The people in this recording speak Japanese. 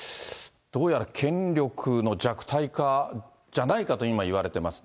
どうやら権力の弱体化じゃないかと、今、言われてます。